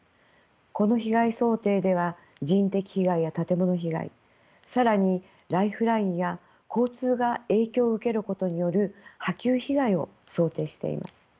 この被害想定では人的被害や建物被害更にライフラインや交通が影響を受けることによる波及被害を想定しています。